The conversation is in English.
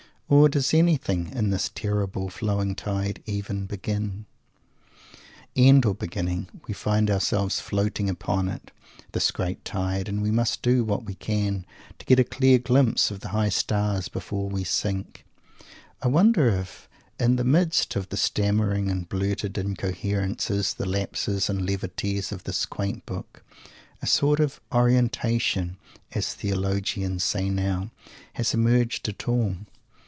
Or does anything, in this terrible flowing tide, even begin? End or beginning, we find ourselves floating upon it this great tide and we must do what we can to get a clear glimpse of the high stars before we sink. I wonder if, in the midst of the stammered and blurted incoherences, the lapses and levities, of this quaint book, a sort of "orientation," as the theologians say now, has emerged at all?